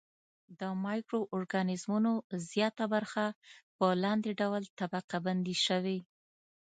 د مایکرو ارګانیزمونو زیاته برخه په لاندې ډول طبقه بندي شوې.